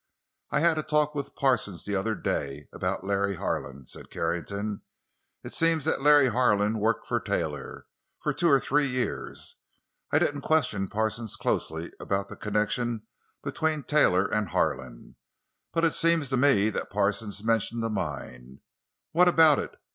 "I had a talk with Parsons the other day—about Larry Harlan," said Carrington. "It seems that Larry Harlan worked for Taylor—for two or three years. I didn't question Parsons closely about the connection between Taylor and Harlan, but it seems to me that Parsons mentioned a mine. What about it?